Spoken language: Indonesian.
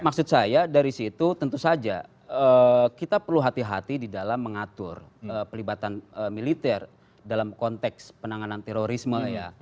maksud saya dari situ tentu saja kita perlu hati hati di dalam mengatur pelibatan militer dalam konteks penanganan terorisme ya